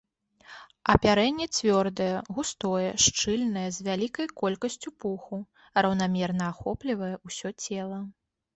Апярэнне цвёрдае, густое, шчыльнае з вялікай колькасцю пуху, раўнамерна ахоплівае ўсё цела.